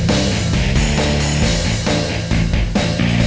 gue ga mau ada musuh